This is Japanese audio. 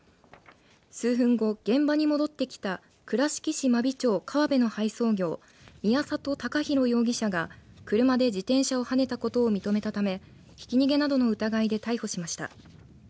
数分後、現場に戻ってきた倉敷市真備町川辺の配送業、宮里孝広容疑者が車で自転車をはねたことを認めたため、ひき逃げなどの疑いで逮捕しました。